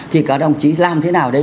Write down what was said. thì các đồng chí làm thế nào đấy